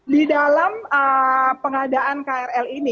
di dalam pengadaan krl ini